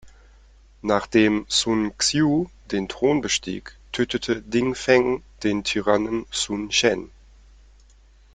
Nachdem Sun Xiu den Thron bestieg, tötete Ding Feng den Tyrannen Sun Chen.